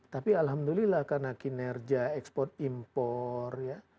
tapi alhamdulillah karena kinerja ekspor impor ya